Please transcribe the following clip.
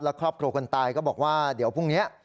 และครอบครัวคนตายก็บอกว่าเดี๋ยวพรุ่งนี้